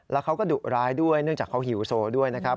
แล้วเขาก็ดุร้ายด้วยเนื่องจากเขาหิวโซด้วยนะครับ